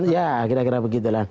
ya kira kira begitu